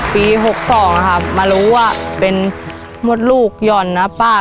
ปี๖๒มารู้ว่าเป็นมดลูกย่อนนะป้า